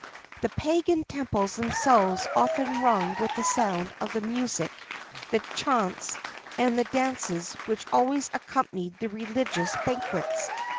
[XXX 14] The pagan temples themselves often rung with the sound of the music, the chaunts, and the dances which always accompanied the religious banquets.